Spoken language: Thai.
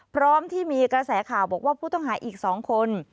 พร้อมที่มีกระแสข่าวบอกว่าผู้ต้องหาอีก๒คน